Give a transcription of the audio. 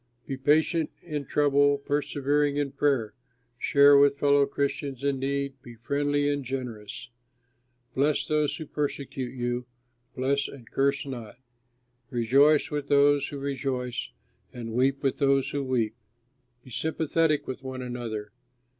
Be patient in trouble, persevering in prayer; share with fellow Christians in need, be friendly and generous. Bless those who persecute you, bless and curse not. Rejoice with those who rejoice, and weep with those who weep. Be sympathetic with one another.